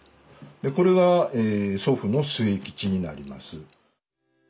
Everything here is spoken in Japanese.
これが祖父の末吉になります。